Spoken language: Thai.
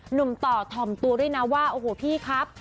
หนุ่มต่อถ่อมตัวด้วยนะว่าโอ้โหพี่ครับ